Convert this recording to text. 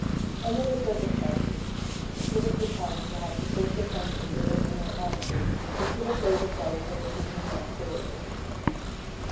Under the circumstances she should have declined to have the social function given in her honor, or should have laid aside her insignia of dolor.